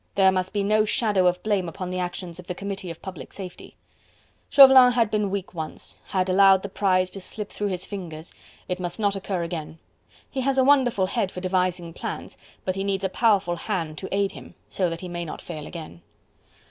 There must be no shadow of blame upon the actions of the Committee of Public Safety. Chauvelin had been weak once, had allowed the prize to slip through his fingers; it must not occur again. He has a wonderful head for devising plans, but he needs a powerful hand to aid him, so that he may not fail again.